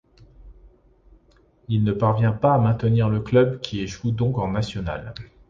Il ne parvient pas à maintenir le club qui échoue donc en National.